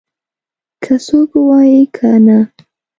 که څوک ووايي او که نه.